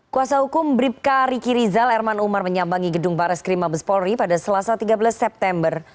kuasa hukum bribka riki rizal erman umar menyambangi gedung baris kerima bespolri pada selasa tiga belas september